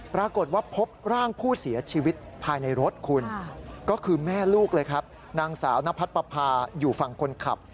ปรากฏว่าพบร่างผู้เสียชีวิตภายในรถคุณก็คือแม่ลูกเลยครับนางสาวนพัดปภาอยู่ฝั่งคนขับ